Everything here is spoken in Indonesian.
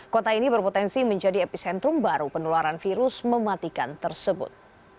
kota ini berpotensi menjadi epicentrum baru penularan virus mematikan tersebut